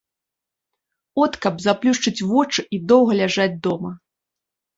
От каб заплюшчыць вочы і доўга ляжаць дома.